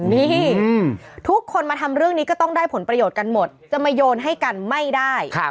นี่ทุกคนมาทำเรื่องนี้ก็ต้องได้ผลประโยชน์กันหมดจะมาโยนให้กันไม่ได้